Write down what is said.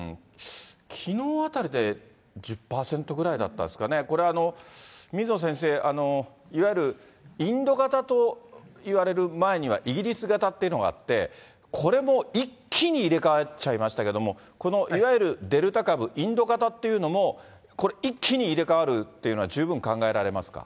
きのうあたりで１０％ぐらいだったですかね、これ、水野先生、いわゆるインド型といわれる前にはイギリス型というのがあって、これ、もう一気に入れ替わっちゃいましたけれども、このいわゆるデルタ株、インド型っていうのも、これ、一気に入れ替わるというのは、十分考えられますか。